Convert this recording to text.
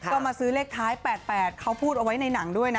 ก็มาซื้อเลขท้าย๘๘เขาพูดเอาไว้ในหนังด้วยนะ